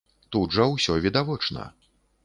Тут жа ўсё відавочна.